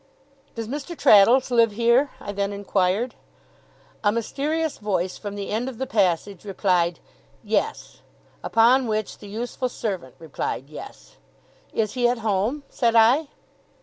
'Does Mr. Traddles live here?' I then inquired. A mysterious voice from the end of the passage replied 'Yes.' Upon which the youthful servant replied 'Yes.' 'Is he at home?' said I.